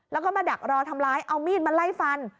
แล้วก็มาดักรอทำร้ายเอามีดมาไล่ฟัน